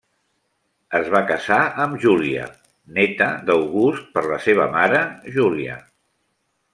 Es va casar amb Júlia, néta d'August per la seva mare Júlia.